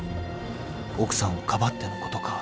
［奥さんをかばってのことか？］